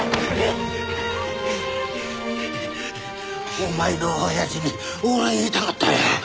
お前の親父にお礼言いたかったよ。